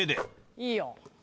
いいよ。